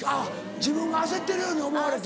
自分が焦ってるように思われて。